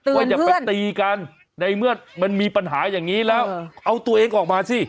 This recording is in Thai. อย่าไปตีกันในเมื่อมันมีปัญหาอย่างนี้แล้วเอาตัวเองออกมาสิ